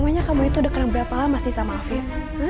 pokoknya kamu itu udah kenal berapa lama sih sama afif